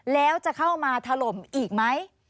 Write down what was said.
แล้วจะเข้ามาถล่มอีกไหม